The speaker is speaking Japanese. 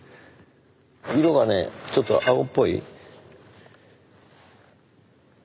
色がねちょっと青っぽい。